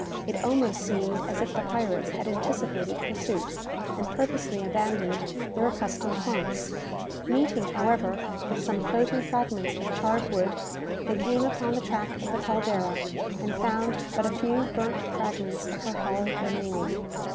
It almost seemed as if the pirates had anticipated pursuit, and purposely abandoned their accustomed haunts. Meeting, however, with some floating fragments of charred wood, they came upon the track of the "Caldera," and found but a few burnt fragments of her hull remaining.